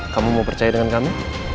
kamu mau percaya dengan kami